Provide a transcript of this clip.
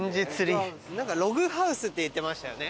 なんか「ログハウス」って言ってましたよね。